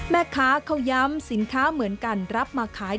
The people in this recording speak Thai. แม่ค้าเขาย้ำสินค้าเหมือนกันรับมาขาย